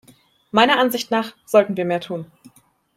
Meiner Ansicht nach sollten wir mehr tun.